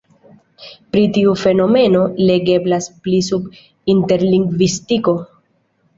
Pri tiu fenomeno legeblas pli sub interlingvistiko.